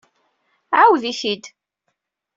Ɛawed-it-id.